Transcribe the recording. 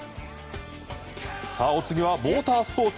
お次は、モータースポーツ。